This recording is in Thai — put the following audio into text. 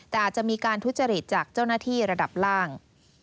แต่อาจจะมีการทุจริตจากเจ้าหน้าที่ระดับล่าง